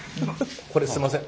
これすんません。